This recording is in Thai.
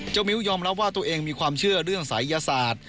มิ้วยอมรับว่าตัวเองมีความเชื่อเรื่องศัยยศาสตร์